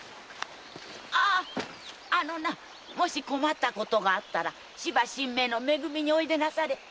あのなもし困ったことがあったら芝神明のめ組においでなされ。